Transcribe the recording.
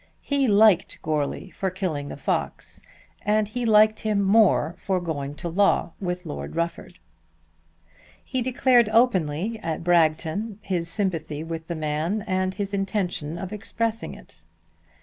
He liked Goarly for killing the fox, and he liked him more for going to law with Lord Rufford. He declared openly at Bragton his sympathy with the man and his intention of expressing it.